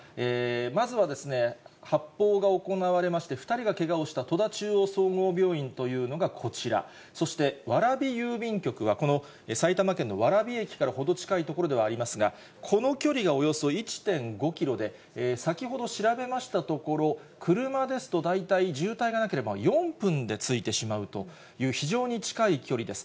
まずは発砲が行われまして、２人がけがをした戸田中央総合病院というのがこちら、そして蕨郵便局はこの埼玉県の蕨駅から程近い所ではありますが、この距離がおよそ１．５キロで、先ほど調べましたところ、車ですと、大体渋滞がなければ４分で着いてしまうという、非常に近い距離です。